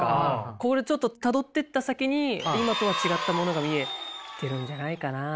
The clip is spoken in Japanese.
これちょっとたどってった先に今とは違ったものが見えてるんじゃないかなっていう気がしますね。